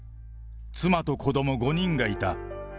妻と子ども５人がいた。